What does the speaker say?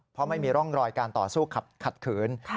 เพราะไม่มีร่องรอยการต่อสู้ขัดขืน